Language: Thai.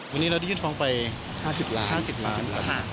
วันนี้เราได้ยืนฟองไป๕๐ล้านบาท